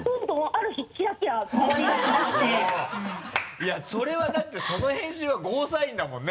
いやそれはだってその編集はＧＯサインだもんね